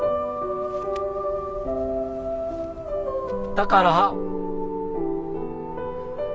だから。